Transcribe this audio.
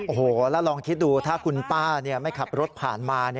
โอ้โหแล้วลองคิดดูถ้าคุณป้าไม่ขับรถผ่านมา